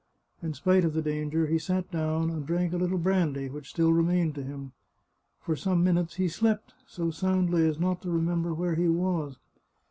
In spite of the danger he sat down, and drank a little brandy which still remained to him. For some minutes he slept, so soundly as not to remember where he was.